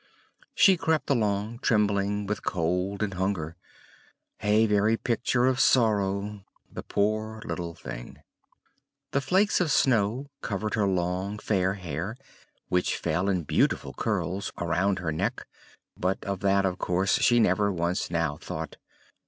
She crept along trembling with cold and hunger a very picture of sorrow, the poor little thing! The flakes of snow covered her long fair hair, which fell in beautiful curls around her neck; but of that, of course, she never once now thought.